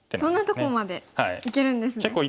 そんなとこまでいけるんですね。